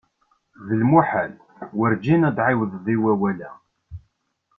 D lmuḥal, werǧin ad ɛiwḍed i wawal-a.